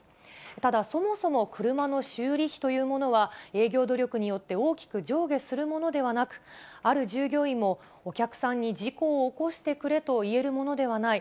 ただ、そもそも車の修理費というものは、営業努力によって大きく上下するものではなく、ある従業員も、お客さんに事故を起こしてくれと言えるものではない。